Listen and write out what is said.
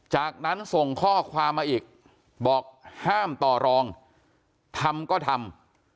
จากนั้นส่งข้อความมาอีกบอกห้ามต่อรองทำก็ทำ